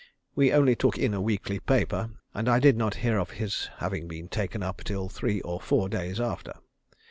We only took in a weekly paper, and I did not hear of his having been taken up till three or four days after.